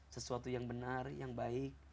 sesuatu yang benar yang baik